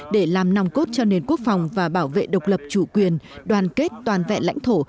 để làm nòng cốt cho nền quốc phòng và bảo vệ độc lập chủ quyền đoàn kết toàn vẹn lãnh thổ